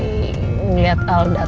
kamu pasti heran deh